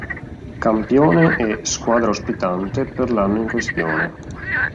Campione e "Squadra ospitante" per l'anno in questione.